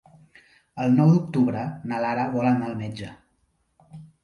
El nou d'octubre na Lara vol anar al metge.